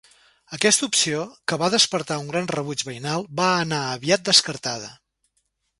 Aquesta opció, que va despertar un gran rebuig veïnal, va anar aviat descartada.